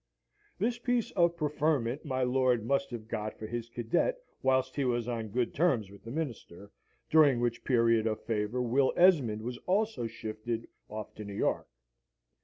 This piece of preferment my lord must have got for his cadet whilst he was on good terms with the Minister, during which period of favour Will Esmond was also shifted off to New York.